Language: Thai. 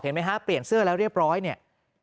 ไหมฮะเปลี่ยนเสื้อแล้วเรียบร้อยเนี่ย